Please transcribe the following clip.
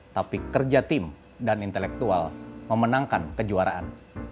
tapi kerja tim dan intelektual memenangkan kejuaraan